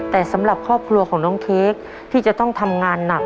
แต่สำหรับครอบครัวของน้องเค้กที่จะต้องทำงานหนัก